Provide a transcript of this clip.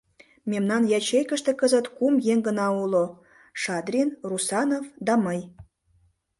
Мемнан ячейкыште кызыт кум еҥ гына уло: Шадрин, Русанов да мый.